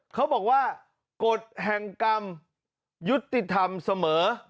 เขาบอกว่ากฎแห่งกรรมยุติธรรมเสมอ